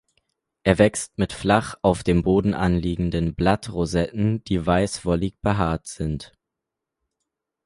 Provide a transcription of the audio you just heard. Er wächst mit flach auf dem Boden anliegenden Blattrosetten, die weiß wollig behaart sind.